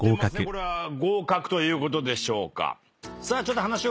これは合格ということでしょうか。